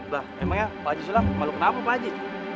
lah emangnya pak aji sulam malu kenapa pak aji